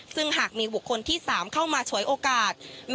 ซึ่งหากมีบุคคลที่๓เข้ามาฉวยโอกาส